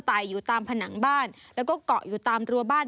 อยู่ตามผนังบ้านแล้วก็เกาะอยู่ตามรัวบ้าน